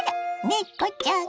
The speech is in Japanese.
猫ちゃん！